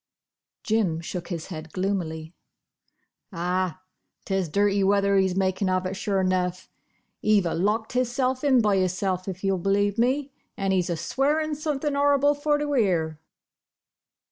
Jim shook his head gloomily. "Ah! 'tis dirty weather he's makin' of it, sure 'nough. He've a locked hisself in by hisself if you'll believe me; an' he's a swearin' somethin' 'orrible for to 'ear!"